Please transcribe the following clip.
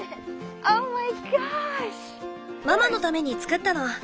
ママのために作ったの。